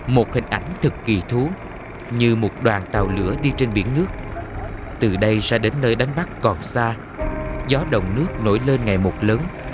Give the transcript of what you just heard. một hình ảnh cực kỳ thú như một đoàn tàu lửa đi trên biển nước từ đây ra đến nơi đánh bắt còn xa gió đồng nước nổi lên ngày một lớn